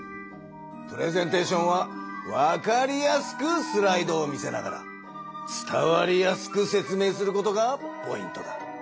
プレゼンテーションはわかりやすくスライドを見せながら伝わりやすく説明することがポイントだ。